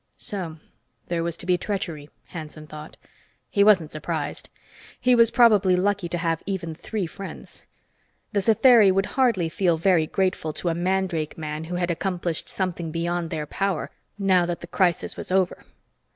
So there was to be treachery, Hanson thought. He wasn't surprised. He was probably lucky to have even three friends. The Satheri would hardly feel very grateful to a mandrake man who had accomplished something beyond their power, now that the crisis was over.